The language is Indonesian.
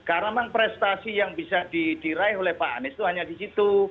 karena prestasi yang bisa didirai oleh pak anies itu hanya di situ